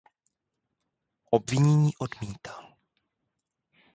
Obvinění odmítal.